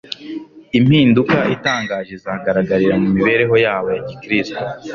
impinduka itangaje izagaragarira mu mibereho yabo ya gikristo